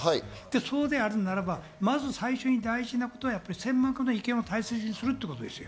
そうであるならば、まず最初に大事なことは専門家の意見を大切にするということですよ。